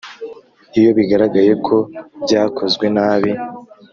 iyo bigaragaye ko byakozwe nabi